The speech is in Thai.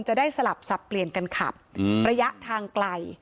จะได้สลับสับเปลี่ยนกันขับระยะทางไกล